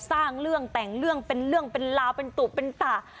สร้างเรื่องแต่งเรื่องเป็นเรื่องเป็นราวเป็นตุเป็นตะ